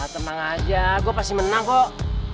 tenang saja gua pasti menang kok